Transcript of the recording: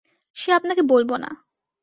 সে আপনাকে বলব না।